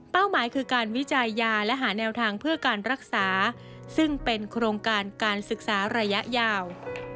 หมายคือการวิจัยยาและหาแนวทางเพื่อการรักษาซึ่งเป็นโครงการการศึกษาระยะยาว